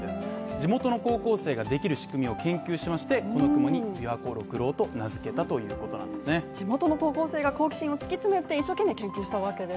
地元の高校生ができる仕組みを研究しまして、この雲に琵琶湖緑郎と名付けたということなんですね、地元の高校生が好奇心を突き詰めて一生懸命研究したわけです